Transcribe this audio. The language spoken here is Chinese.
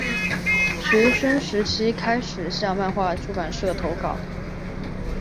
学生时期开始向漫画出版社投稿。